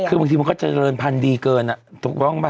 คือบางทีมันก็เจริญพันธุ์ดีเกินถูกต้องไหม